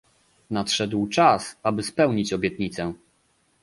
Nadszedł czas, aby spełnić obietnicę